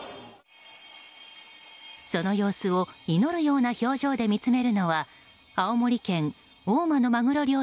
その様子を祈るような表情で見つめるのは青森県大間のマグロ